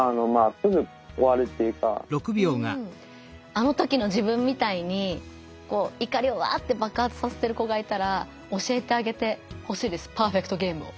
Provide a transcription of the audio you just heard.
あの時の自分みたいに怒りをワッて爆発させてる子がいたら教えてあげてほしいです「パーフェクトゲーム」を。